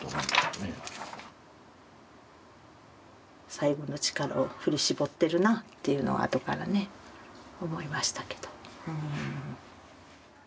最後の力を振り絞ってるなっていうのは後からね思いましたけど。